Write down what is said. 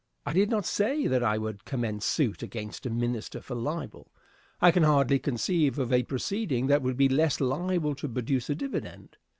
I did not say that I would commence suit against a minister for libel. I can hardly conceive of a proceeding that would be less liable to produce a dividend.